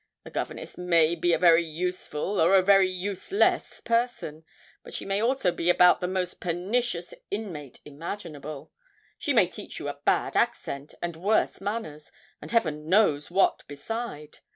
A governess may be a very useful or a very useless person; but she may also be about the most pernicious inmate imaginable. She may teach you a bad accent, and worse manners, and heaven knows what beside.